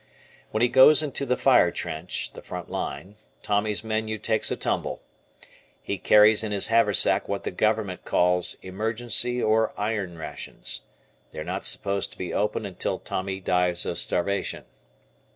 When he goes into the fire trench (front line), Tommy's menu takes a tumble. He carries in his haversack what the government calls emergency or iron rations. They are not supposed to be opened until Tommy dies of starvation.